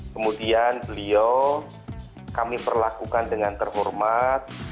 kemudian beliau kami perlakukan dengan terhormat